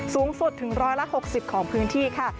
สูงสุดถึง๑๖๐ของพื้นที่ค่ะ